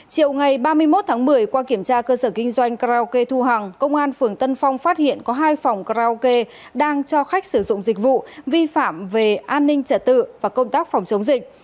chiều ngày ba mươi một tháng một mươi qua kiểm tra cơ sở kinh doanh karaoke thu hằng công an phường tân phong phát hiện có hai phòng karaoke đang cho khách sử dụng dịch vụ vi phạm về an ninh trả tự và công tác phòng chống dịch